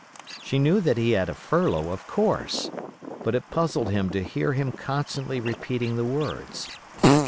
She knew that he had a furlough, of course; but it puzzled her to hear him constantly repeating the words.